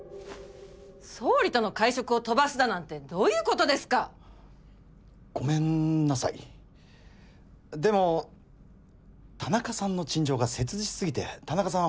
総理との会食を飛ばすだなんてどういうこごめんなさいでも田中さんの陳情が切実過ぎて田中さん